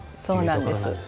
そうなんです。